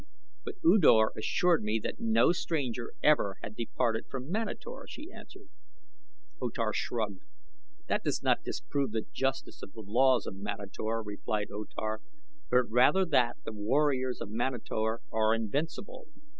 "But U Dor assured me that no stranger ever had departed from Manator," she answered. O Tar shrugged. "That does not disprove the justice of the laws of Manator," replied O Tar, "but rather that the warriors of Manator are invincible.